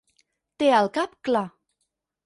Té el cap clar.